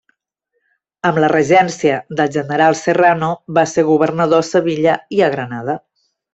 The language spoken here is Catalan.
Amb la regència del General Serrano va ser governador a Sevilla i a Granada.